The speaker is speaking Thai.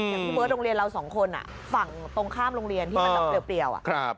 อย่างที่เมื่อโรงเรียนเราสองคนฝั่งตรงข้ามโรงเรียนที่มันเปรียบ